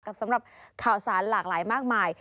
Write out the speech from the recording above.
สำหรับข่าวสารหลากหลายมากมาย